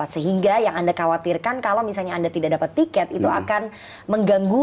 sehingga yang anda khawatirkan kalau misalnya anda tidak dapat tiket itu akan mengganggu